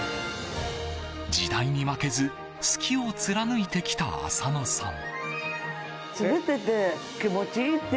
時代に負けず好きを貫いてきた浅野さん。